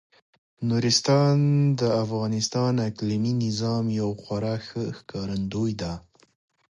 نورستان د افغانستان د اقلیمي نظام یو خورا ښه ښکارندوی دی.